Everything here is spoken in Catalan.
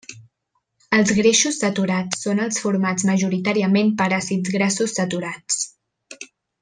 Els greixos saturats són els formats majoritàriament per àcids grassos saturats.